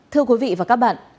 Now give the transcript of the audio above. thưa quý vị và các bạn